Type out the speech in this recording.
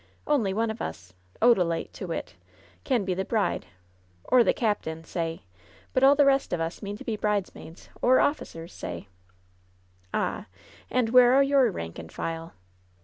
Only one of us — Odalite, to wit — can be the bride, or the captain, say, but all the rest of us mean to be bridesmaids or officers, say !" "Ah ! And where are your rank and file